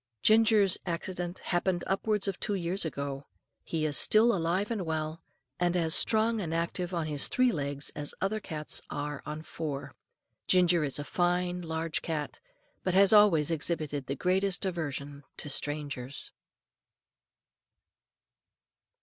Ginger's accident happened upwards of two years ago. He is still alive and well, and as strong and active on his three legs as other cats are on four. Ginger is a fine, large cat, but has always exhibited the greatest aversion to strangers.